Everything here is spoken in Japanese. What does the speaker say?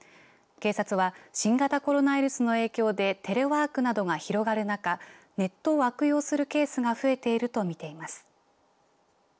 警察は新型コロナウイルスの影響でテレワークなどが広がる中ネットを悪用するケースが増えているとみています。